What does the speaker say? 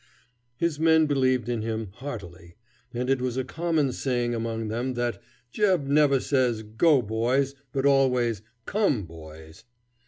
His men believed in him heartily, and it was a common saying among them that "Jeb never says 'Go, boys,' but always 'Come, boys.'"